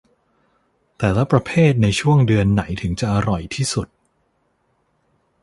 แต่ละประเภทในช่วงเดือนไหนถึงจะอร่อยที่สุด